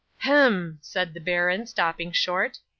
'"Hem!" said the baron, stopping short.